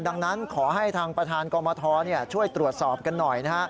ดังนั้นขอให้ทางประธานกรมทรช่วยตรวจสอบกันหน่อยนะฮะ